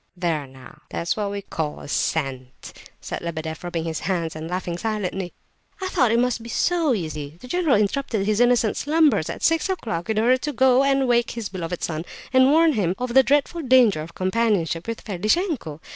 "There now, that's what we may call scent!" said Lebedeff, rubbing his hands and laughing silently. "I thought it must be so, you see. The general interrupted his innocent slumbers, at six o'clock, in order to go and wake his beloved son, and warn him of the dreadful danger of companionship with Ferdishenko.